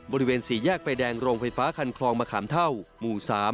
บริเวณสี่แยกไฟแดงโรงไฟฟ้าคันคลองมะขามเท่าหมู่๓